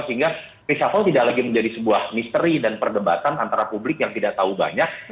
sehingga reshuffle tidak lagi menjadi sebuah misteri dan perdebatan antara publik yang tidak tahu banyak